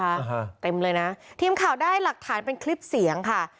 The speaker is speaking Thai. ฮะเต็มเลยนะทีมข่าวได้หลักฐานเป็นคลิปเสียงค่ะ